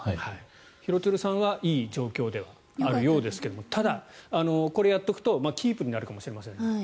廣津留さんはいい状況ではあるようですがただ、これをやっておくとキープになるかもしれません。